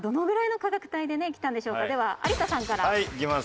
では有田さんからお願いします。